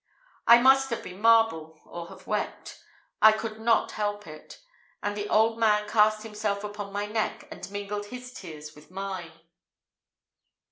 I must have been marble, or have wept I could not help it; and the old man cast himself upon my neck, and mingled his tears with mine.